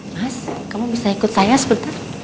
masa kamu bisa ikut saya sebentar